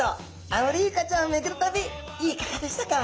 アオリイカちゃんをめぐる旅いかがでしたか？